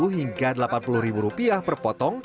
tiga puluh lima hingga delapan puluh rupiah per potong